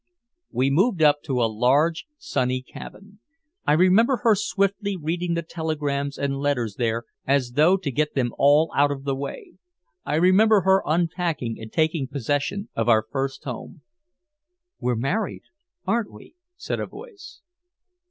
We moved up to a large sunny cabin. I remember her swiftly reading the telegrams and letters there as though to get them all out of the way. I remember her unpacking and taking possession of our first home. "We're married, aren't we," said a voice.